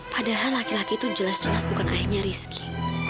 padahal laki laki itu jelas jelas bukan ayahnya rizki